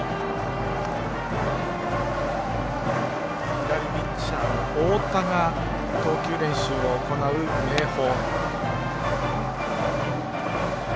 左ピッチャーの太田が投球練習を行う明豊。